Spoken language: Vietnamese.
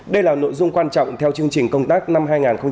đây là nội dung quan trọng theo chương trình công tác năm hai nghìn hai mươi